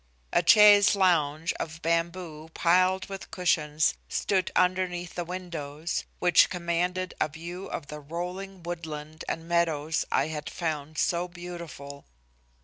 A chaise lounge of bamboo piled with cushions stood underneath the windows, which commanded a view of the rolling woodland and meadows I had found so beautiful.